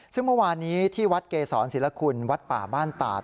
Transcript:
ซึ่งเมื่อวานนี้ที่วัดเกษรศิลคุณวัดป่าบ้านตาด